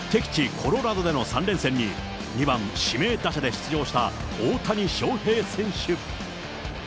コロラドでの３連戦に２番指名打者で出場した大谷翔平選手。